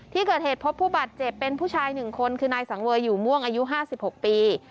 ที่เกิดเหตุพบผู้บาดเจ็บเป็นผู้ชาย๑คนคือนายสังเวยอยู่ม่วงอายุ๕๖ปี